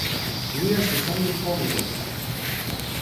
رویش به سنگ پا میماند!